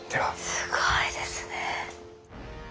すごいですね。